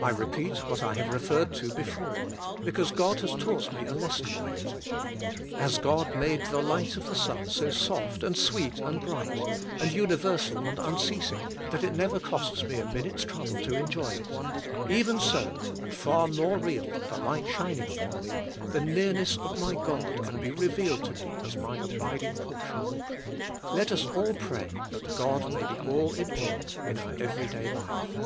I repeat what I have referred to be fore, because God has taught me a lesson by it: As God made the light of the sun so soft, and sweet, and bright, and universal, and unceasing, that it never costs me a minute's trouble to enjoy it; even so, and far more real than the light shining upon me, the nearness of my God can be revealed to me as my abiding portion. Let us all pray ''that God may be all in all," in our every day life.